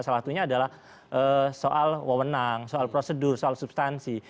salah satunya adalah soal wawenang soal prosedur soal substansi